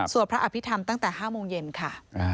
พระอภิษฐรรมตั้งแต่๕โมงเย็นค่ะ